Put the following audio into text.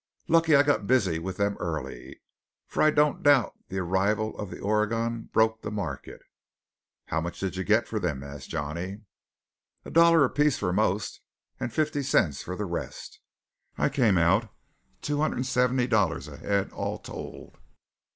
Lucky I got busy with them early; for I don't doubt the arrival of the Oregon broke the market." "How much did you get for them?" asked Johnny. "A dollar apiece for most, and fifty cents for the rest. I came out two hundred and seventy dollars ahead all told.